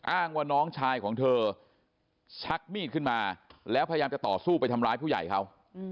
อ้างว่าน้องชายของเธอชักมีดขึ้นมาแล้วพยายามจะต่อสู้ไปทำร้ายผู้ใหญ่เขา